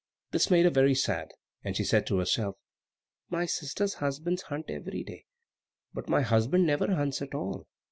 This made her very sad, and she said to herself, "My sisters' husbands hunt every day, but my husband never hunts at all."